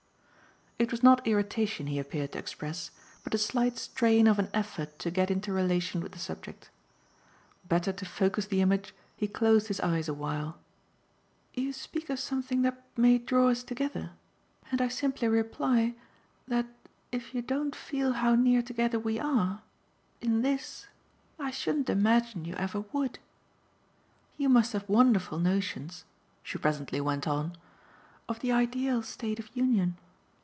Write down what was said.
It was not irritation he appeared to express, but the slight strain of an effort to get into relation with the subject. Better to focus the image he closed his eyes a while. "You speak of something that may draw us together, and I simply reply that if you don't feel how near together we are in this I shouldn't imagine you ever would. You must have wonderful notions," she presently went on, "of the ideal state of union.